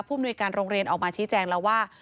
มนุยการโรงเรียนออกมาชี้แจงแล้วว่า